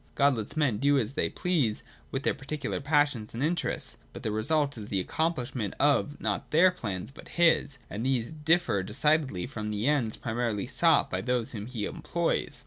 God lets men do as they please with their particular passions and interests ; but the result is the accomphshment of^not their plans, but His, and these differ decidedly from the ends primarily sought by those whom He employs.